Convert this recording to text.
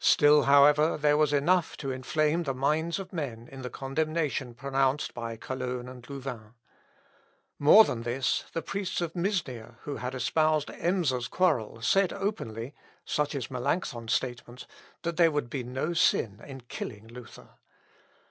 Still, however, there was enough to inflame the minds of men in the condemnation pronounced by Cologne and Louvain. More than this; the priests of Misnia who had espoused Emser's quarrel said openly (such is Melancthon's statement) that there would be no sin in killing Luther.